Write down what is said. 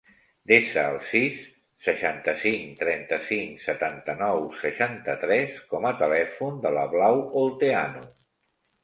Desa el sis, seixanta-cinc, trenta-cinc, setanta-nou, seixanta-tres com a telèfon de la Blau Olteanu.